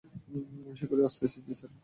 আমি শীঘ্রই আসতেছি জ্বি স্যার।